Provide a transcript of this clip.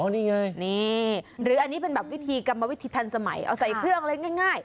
นี่ไงนี่หรืออันนี้เป็นแบบวิธีกรรมวิธีทันสมัยเอาใส่เครื่องอะไรง่าย